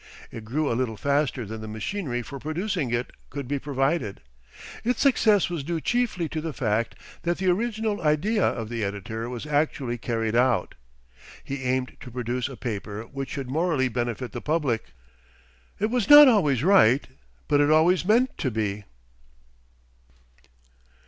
It grew a little faster than the machinery for producing it could be provided. Its success was due chiefly to the fact that the original idea of the editor was actually carried out. He aimed to produce a paper which should morally benefit the public. It was not always right, but it always meant to be.